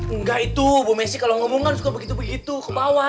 enggak itu bu messi kalau ngomongan suka begitu begitu kebawa